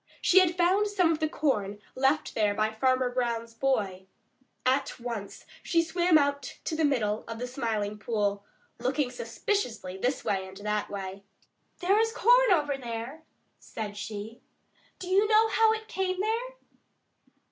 She had found some of the corn left there by Farmer Brown's boy. At once she swam out to the middle of the Smiling Pool, looking suspiciously this way and that way. "There is corn over there," said she. "Do you know how it came there?"